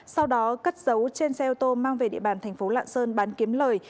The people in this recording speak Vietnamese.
sau đó cất dấu trên xe ô tô mang về địa bàn thành phố lạng sơn bán kiếm lời